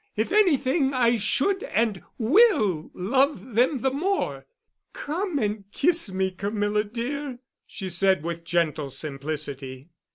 If anything I should and will love them the more. Come and kiss me, Camilla, dear," she said with gentle simplicity.